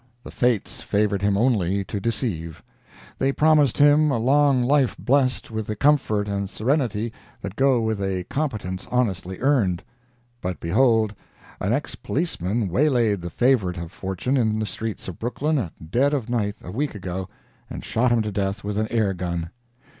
The fates favored him only to deceive. They promised him a long life blessed with the comfort and the serenity that go with a competence honestly earned. But behold, an ex policeman waylaid the favorite of fortune in the streets of Brooklyn at dead of night a week ago, and shot him to death with an air gun.